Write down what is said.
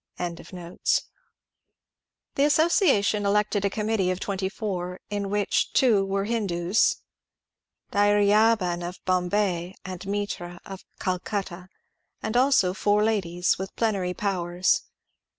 « The association elected a conunittee of twenty four — in which were two Hindus (Dhairyaban of Bombay and Mitra of Calcutta), and also four ladies, with plenary powers.